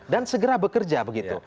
dan segera bekerja begitu